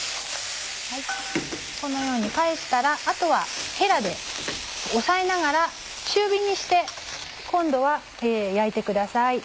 このように返したらあとはヘラで押さえながら中火にして今度は焼いてください。